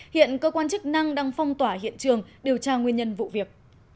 hiện cơ quan chức năng đang phong tỏa hiện trường điều tra nguyên nhân vụ việc